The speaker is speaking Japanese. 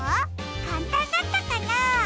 かんたんだったかな？